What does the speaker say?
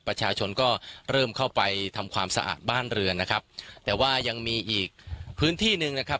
ประชาชนก็เริ่มเข้าไปทำความสะอาดบ้านเรือนนะครับแต่ว่ายังมีอีกพื้นที่หนึ่งนะครับ